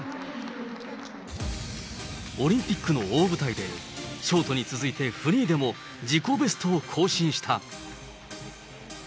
オリンピックの大舞台で、ショートに続いてフリーでも、自己ベストを更新した。